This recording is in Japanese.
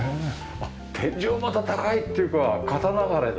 天井また高いっていうか片流れだ。